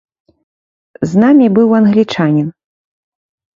З намі быў англічанін.